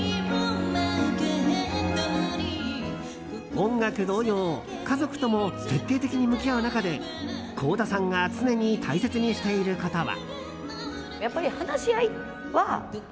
音楽同様家族とも徹底的に向き合う中で倖田さんが常に大切にしていることは。